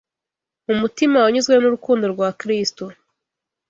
Mu mutima wanyuzwe n’urukundo rwa Kristo